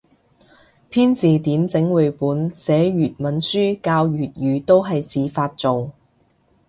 編字典整繪本寫粵文書教粵語都係自發做